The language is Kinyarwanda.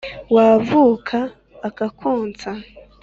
wavuka akakonsa,